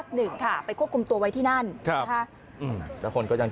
หยุดกุบทาง